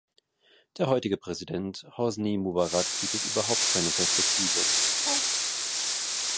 Der heutige Präsident Hosni Mubarak bietet überhaupt keine Perspektive.